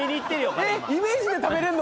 彼今イメージで食べれるの？